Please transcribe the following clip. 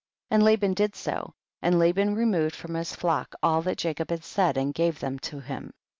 27. And Laban did so, and Laban removed from his flock all that Jacob had said and gave them to him.